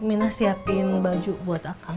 mina siapin baju buat akan